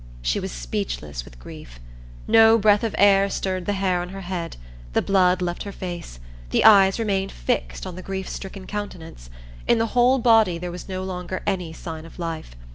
She was speechless with grief; no breath of air stirred the hair on her head; the blood left her face; the eyes remained fixed on the grief stricken countenance; in the whole body there was no longer any sign of life.